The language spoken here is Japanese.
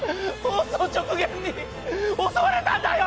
放送直前に襲われたんだよ！